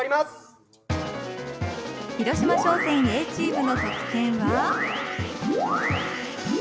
広島商船Ａチームの得点は。